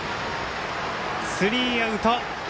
スリーアウト。